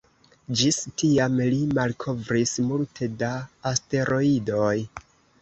Ĝis tiam li malkovris multe da asteroidoj.